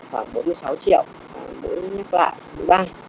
khoảng bốn mươi sáu triệu mũi nhắc lại mũi ba